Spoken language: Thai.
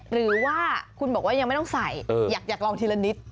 หรือว่าคุณบอกว่ายังไม่ต้องใส่อยากลองทีละนิด